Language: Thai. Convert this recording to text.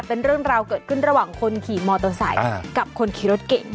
เป็นเรื่องราวเกิดขึ้นระหว่างคนขี่มอเตอร์ไซค์กับคนขี่รถเก่ง